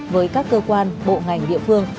với các cơ quan bộ ngành địa phương